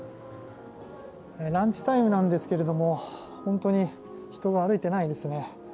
ランチタイムなんですけれども本当に人が歩いていないですね。